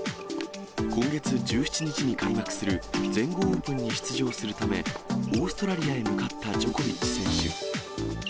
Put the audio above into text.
今月１７日に開幕する全豪オープンに出場するため、オーストラリアへ向かったジョコビッチ選手。